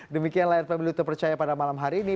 demikian layar pemilu terpercaya pada malam hari ini